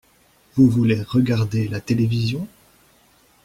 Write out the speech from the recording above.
Vous voulez regarder la télévision ?